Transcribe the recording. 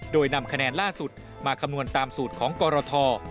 โดยนำคะแนนล่าสุดมาคำนวณตามสูตรของกรท